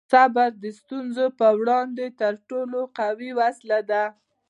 صبر د ستونزو په وړاندې تر ټولو قوي وسله ده.